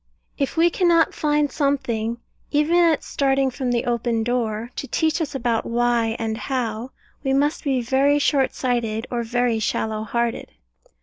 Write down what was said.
If we cannot find something, even at starting from the open door, to teach us about Why and How, we must be very short sighted, or very shallow hearted.